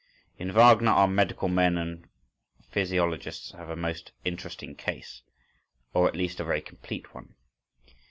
In Wagner our medical men and physiologists have a most interesting case, or at least a very complete one.